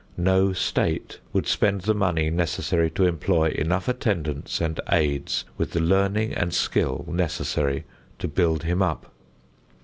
No state would spend the money necessary to employ enough attendants and aids with the learning and skill necessary to build him up.